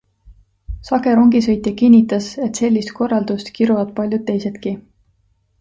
Sage rongisõitja kinnitas, et sellist korraldust kiruvad paljud teisedki.